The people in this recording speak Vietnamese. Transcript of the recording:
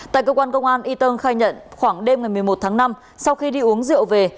tại cơ quan công an y tơn khai nhận khoảng đêm ngày một mươi một tháng năm sau khi đi uống rượu về